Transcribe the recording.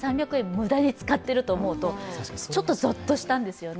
無駄に使っていると思うとちょっとぞっとしたんですよね。